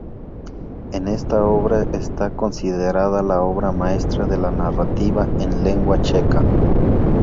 Esta obra está considerada la obra maestra de la narrativa en lengua checa.